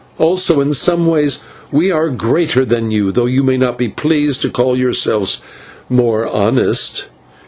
Also, in some ways we are greater than you, though you may be pleased to call yourselves more honest.